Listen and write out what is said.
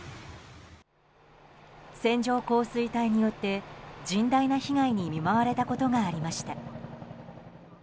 線状降水帯によって甚大な被害に見舞われたことがありました。